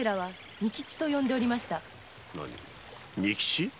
「仁吉」？